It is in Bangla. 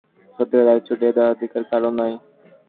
সত্যকে একচেটিয়া করিবার অধিকার কাহারও নই।